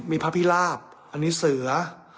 มีพระพิราบอันนี้เสือ